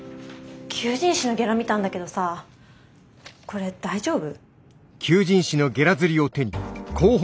求人誌のゲラ見たんだけどさこれ大丈夫？